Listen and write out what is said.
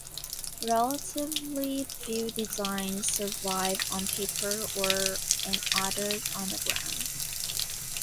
Relatively few designs survive on paper or unaltered on the ground.